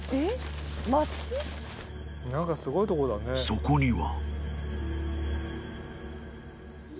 ［そこには］